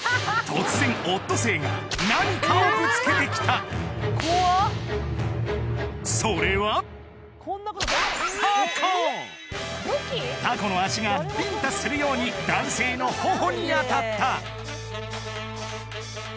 突然オットセイが何かをぶつけてきたそれはタコの足がビンタするように男性の頬に当たった